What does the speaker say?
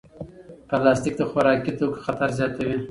پلاستیک د خوراکي توکو خطر زیاتوي.